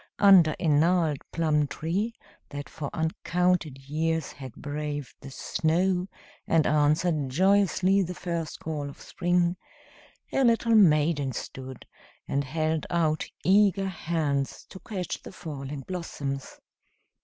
Under a gnarled plum tree, that for uncounted years had braved the snow and answered joyously the first call of spring, a little maiden stood and held out eager hands to catch the falling blossoms.